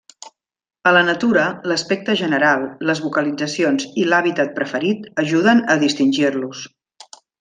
A la natura, l'aspecte general, les vocalitzacions i l'hàbitat preferit, ajuden a distingir-los.